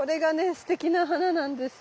すてきな花なんですよ。